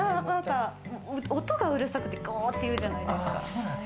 音がうるさくて、ガっていうじゃないですか。